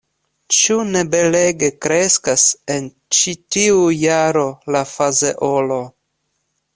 Ĉu ne belege kreskas en ĉi tiu jaro la fazeolo?